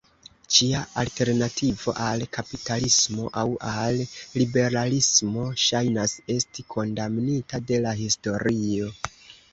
Ĉia alternativo al kapitalismo aŭ al liberalismo ŝajnas esti kondamnita de la historio.